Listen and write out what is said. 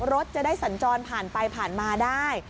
รถจะได้สัญจรผ่านไปผ่านมาได้